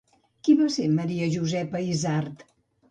Qui va ser la Maria Josepa Izard?